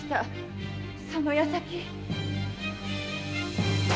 その矢先。